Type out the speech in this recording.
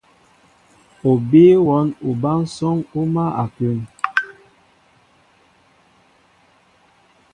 O bíy wɔ́n obánsɔ́ŋ ó mál a kún.